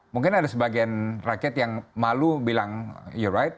mungkin ada sebagian rakyat yang malu bilang you right